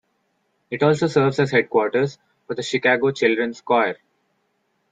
It also serves as headquarters for the Chicago Children's Choir.